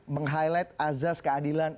meng highlight asas keadilan